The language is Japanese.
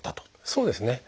そうですね。